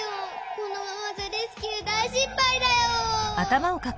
このままじゃレスキューだいしっぱいだよ。